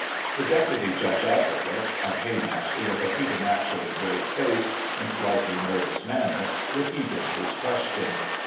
The Deputy Judge Advocate, a Paymaster with a preternaturally grave face and slightly nervous manner, repeated his question.